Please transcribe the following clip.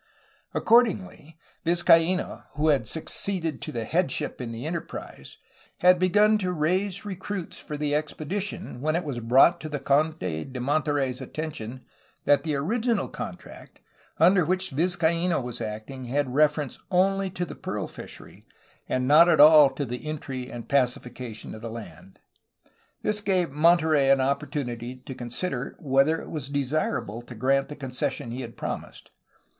Accordingly, Vizcaino, who had succeeded to headship'^ in the enterprise, began to raise recruits for the expedition, when it was brought to the Conde de Monterey's attention that the original contract, under which Vizcaino was acting, had reference only to the pearl fishery and not at all to the entry and pacification of the land. This gave Monterey an opportunity to consider whether it was desirable to grant the concession he had promised.